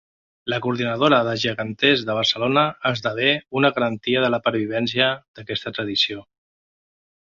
La Coordinadora de Geganters de Barcelona esdevé una garantia de la pervivència d’aquesta tradició.